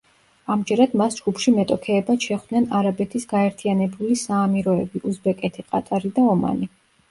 ამჯერად მას ჯგუფში მეტოქეებად შეხვდნენ არაბეთის გაერთიანებული საამიროები, უზბეკეთი, ყატარი და ომანი.